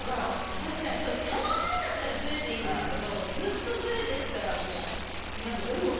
確かにそうですたまにだったらずれていいんですけどずっとずれてったらもう嫌です。